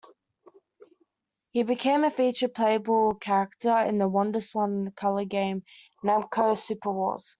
He became a featured playable character in the Wonderswan Color game "Namco Super Wars".